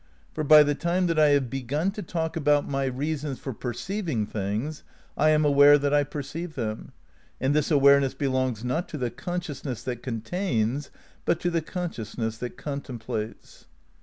For by the time that I have begun to talk about my rea sons for perceiving things I am aware that I perceive them, and this awareness belongs, not to the conscious ness that contains but to the consciousness that con templates.